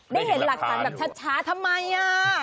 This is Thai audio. ได้เห็นหลักฐานแบบช้าทำไมอ่ะ